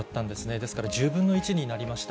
ですから１０分の１になりました。